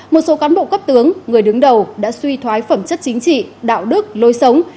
một số cán bộ cấp tướng người đứng đầu đã suy thoái phẩm chất chính trị đạo đức lối sống